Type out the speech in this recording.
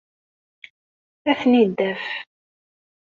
Ad ten-id-taf.